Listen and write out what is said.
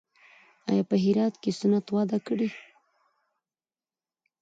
آیا په هرات کې صنعت وده کړې؟